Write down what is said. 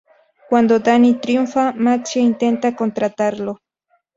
Cuando Danny triunfa, Maxie intenta contratarlo.